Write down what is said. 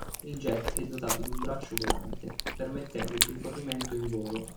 Il jet è dotato di un braccio volante, permettendo il rifornimento in volo.